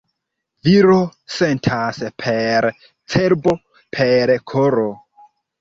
Viro sentas per cerbo, per koro.